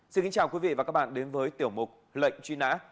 xin kính chào quý vị và các bạn đến với tiểu mục lệnh truy nã